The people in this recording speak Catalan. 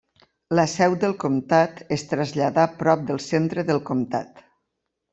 La seu del comtat es traslladà prop del centre del comtat.